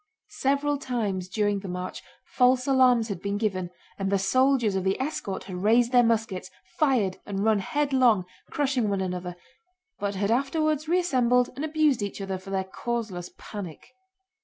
Several times during the march false alarms had been given and the soldiers of the escort had raised their muskets, fired, and run headlong, crushing one another, but had afterwards reassembled and abused each other for their causeless panic.